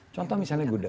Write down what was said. contoh misalnya gudeg